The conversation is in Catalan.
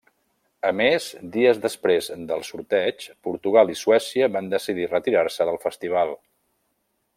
A més, dies després del sorteig Portugal i Suècia van decidir retirar-se del festival.